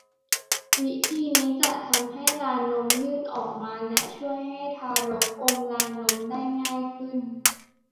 วิธีนี้จะทำให้ลานนมยื่นออกมาและช่วยให้ทารกอมลานนมได้ง่ายขึ้น